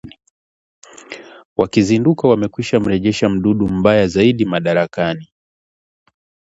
Wakizinduka wamekwishamrejesha mdudu mbaya zaidi mamlakani